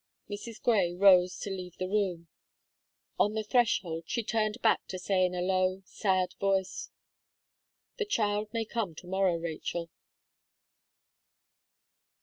'" Mrs. Gray rose to leave the room. On the threshold, she turned back to say in a low, sad voice: "The child may come to morrow, Rachel."